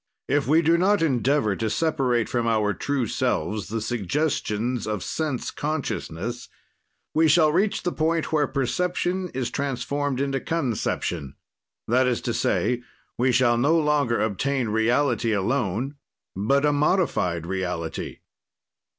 "If we do not endeavor to separate from our true selves the suggestions of sense consciousness, we shall reach the point where perception is transformed into conception, that is to say, we shall no longer obtain reality alone, but a modified reality.